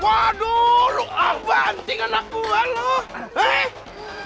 waduh lu abang tinggal aku banget loh